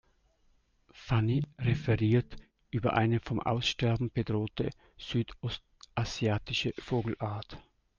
Fanny referiert über eine vom Aussterben bedrohte südostasiatische Vogelart.